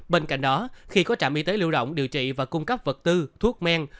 bên cạnh đó khi có trạm y tế lưu động điều trị và cung cấp vật tư thuốc men